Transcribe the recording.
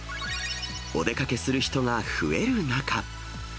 お出かけする人が増える中。